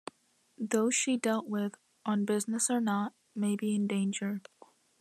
Those she dealt with - on business or not - may be in danger.